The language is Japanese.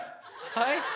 はい？